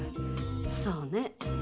そうね。